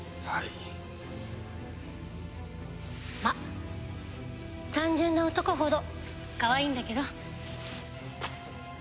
まあ単純な男ほどかわいいんだけど。